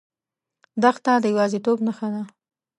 دښته د یوازیتوب نښه ده.